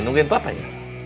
nungguin papa ya